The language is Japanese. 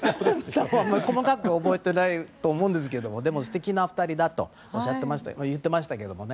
細かく覚えてないと思うんですけどでも、素敵な２人だと言ってましたけどね。